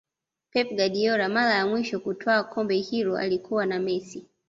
pep Guardiola mara ya mwisho kutwaa kombe hilo alikuwa na messi